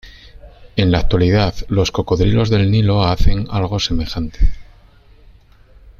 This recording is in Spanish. En la actualidad, los cocodrilos del Nilo hacen algo semejante.